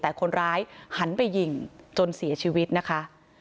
แต่คนร้ายหันไปยิงจนเสียชีวิตนะคะ